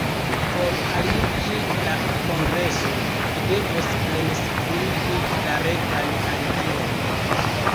Por aliĝi al la kongreso, vi devos plenskribi la retan aliĝilon.